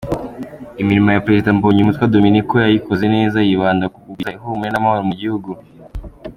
Imirimo ya Perezida Mbonyumutwa Dominiko yayikoze neza, yibanda kugukwiza ihumure n’amahoro mu gihugu.